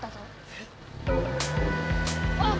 えっ⁉あっ！